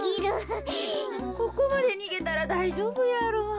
ここまでにげたらだいじょうぶやろ。